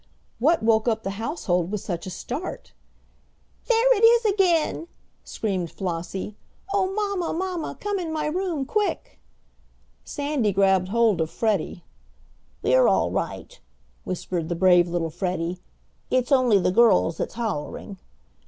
What woke up the household with such a start? "There it is again!" screamed Flossie. "Oh, mamma, mamma, come in my room quick!" Sandy grabbed hold of Freddie. "We're all right," whispered the brave little Freddie. "It's only the girls that's hollering."